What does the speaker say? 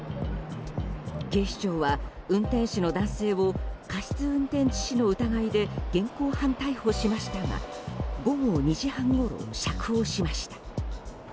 警視庁は運転手の男性を過失運転致死の疑いで現行犯逮捕しましたが午後２時半ごろ、釈放しました。